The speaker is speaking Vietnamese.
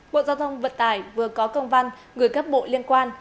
bộ giao thông vật tải vừa có công văn người cấp bộ liên quan